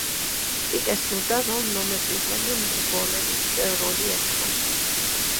პიკეს სურდა, რომ ნომერ პირველი მრბოლელის როლი ეთამაშა.